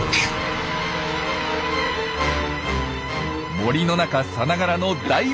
森の中さながらの大バトル！